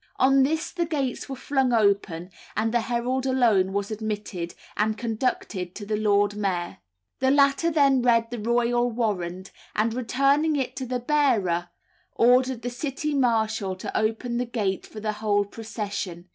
On this the gates were flung open, and the herald alone was admitted, and conducted to the Lord Mayor. The latter then read the royal warrant, and returning it to the bearer, ordered the City marshal to open the gate for the whole procession.